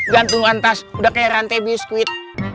gantungan tas udah kayak rantai biskuit